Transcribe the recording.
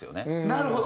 なるほど。